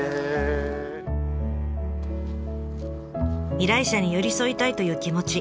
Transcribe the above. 依頼者に寄り添いたいという気持ち。